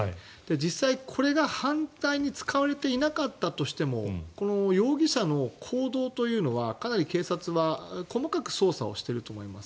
実際、これが犯罪に使われていなかったとしてもこの容疑者の行動というのはかなり警察は細かく捜査をしていると思います。